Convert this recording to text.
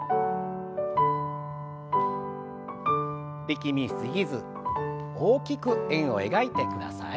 力み過ぎず大きく円を描いてください。